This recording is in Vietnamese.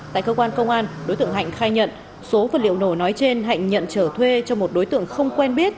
tại cơ quan công an đối tượng hạnh khai nhận số vật liệu nổ nói trên hạnh nhận trở thuê cho một đối tượng không quen biết